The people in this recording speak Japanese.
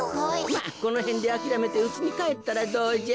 まっこのへんであきらめてうちにかえったらどうじゃ？